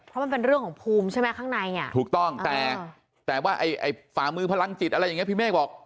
เพราะมันเป็นเรื่องของภูมิใช่ไหมข้างในอ่ะถูกต้องแต่แต่ว่าไอ้ฝ่ามือพลังจิตอะไรอย่างเงี้พี่เมฆบอก